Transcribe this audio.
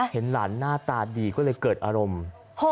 เห็นหลานหน้าตาดีก็เลยเกิดอารมณ์